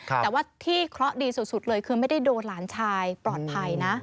แต่ว่าที่เคราะห์ดีสุดเลยคือไม่ได้โดนหลานชายปลอดภัยนะ